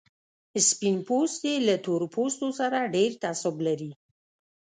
سپين پوستي له تور پوستو سره ډېر تعصب لري.